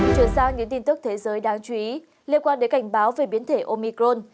chuyển sang những tin tức thế giới đáng chú ý liên quan đến cảnh báo về biến thể omicron